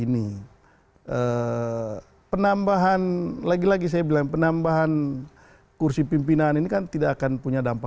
diharuskan memaklumi dan memahami